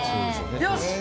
よし！